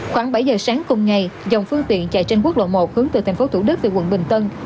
khoảng bảy giờ sáng cùng ngày dòng phương tiện chạy trên quốc lộ một hướng từ thành phố thủ đức về quận bình tân